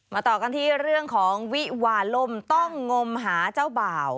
ต่อกันที่เรื่องของวิวาลมต้องงมหาเจ้าบ่าว